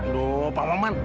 loh pak paman